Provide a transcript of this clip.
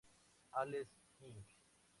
Alex, Inc.